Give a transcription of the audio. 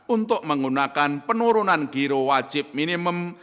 untuk menggunakan penurunan giro wajib minimum